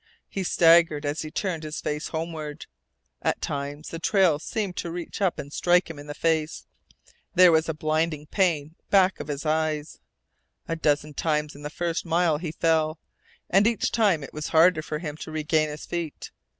He staggered as he turned his face homeward. At times the trail seemed to reach up and strike him in the face. There was a blinding pain back of his eyes. A dozen times in the first mile he fell, and each time it was harder for him to regain his feet.